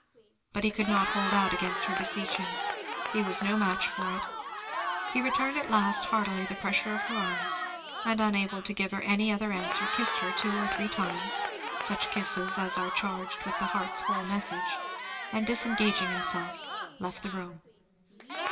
But he could not hold out against her beseeching. He was no match for it. He returned at last heartily the pressure of her arms, and unable to give her any other answer kissed her two or three times, such kisses as are charged with the heart's whole message; and disengaging himself left the room.